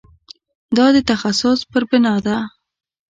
دا د تخصص پر بنا ده.